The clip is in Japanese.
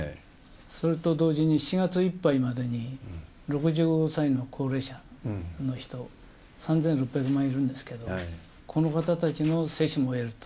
それと同時に、７月いっぱいまでに６５歳の高齢者の人、３６００万いるんですけど、この方たちの接種もやると。